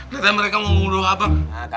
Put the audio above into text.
katanya mereka mau ngunduh abang